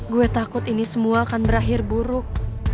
gue takut ini semua akan berakhir buruk